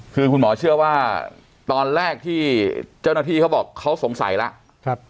คือคุณหมอเชื่อว่าตอนแรกที่เจ้าหน้าที่เขาบอกเขาสงสัยแล้ว